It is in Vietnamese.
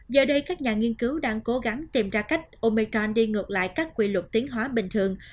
giờ đây các nhà nghiên cứu đang cố gắng tìm ra cách omechon đi ngược lại các quy luật tiến hóa bình thường